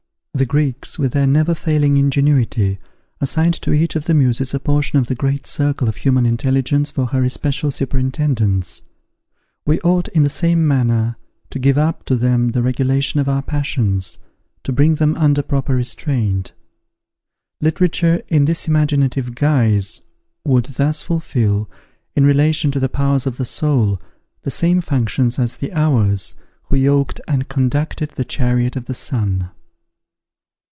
The Greeks, with their never failing ingenuity, assigned to each of the Muses a portion of the great circle of human intelligence for her especial superintendence; we ought in the same manner, to give up to them the regulation of our passions, to bring them under proper restraint. Literature in this imaginative guise, would thus fulfil, in relation to the powers of the soul, the same functions as the Hours, who yoked and conducted the chariot of the Sun.